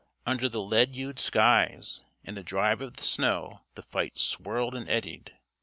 Under the lead hued skies and the drive of the snow the fight swirled and eddied.